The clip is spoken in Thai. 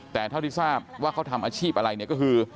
แต่เท่าที่ทราบว่าเขาทำอาชีพอะไรเนี่ยก็คือ